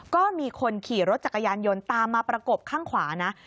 ก็มีคนขี่รถจักรยานยนต์ตามมาประกบข้างขวานะ